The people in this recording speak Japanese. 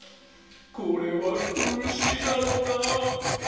これはくるしいだろうなあ。